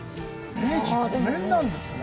明治５年なんですね。